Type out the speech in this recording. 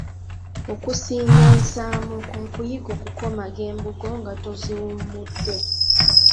Okusimba ensaamu kwe kuyiga okukomaga embugo nga toziwummudde.